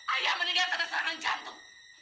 ayah meninggal karena suaranya jatuh